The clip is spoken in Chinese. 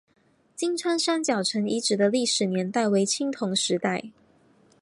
金川三角城遗址的历史年代为青铜时代。